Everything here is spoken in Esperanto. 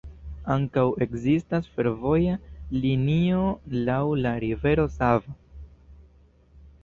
Ankaŭ ekzistas fervoja linio laŭ la rivero Sava.